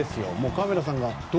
カメラさんが。